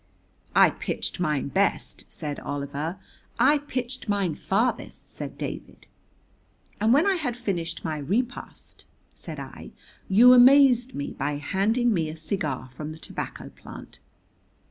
"I pitched mine best," said Oliver. "I pitched mine farthest," said David. "And when I had finished my repast," said I, "you amazed me by handing me a cigar from the tobacco plant."